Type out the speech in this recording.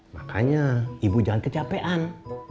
makanya ibu jangan kecapean